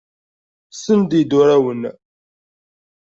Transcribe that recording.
Ssendin urawen.